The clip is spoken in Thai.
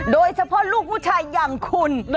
โดยเฉพาะลูกผู้ชายอย่างคุณ